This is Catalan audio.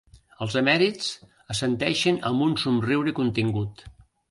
Els emèrits assenteixen amb un somriure contingut.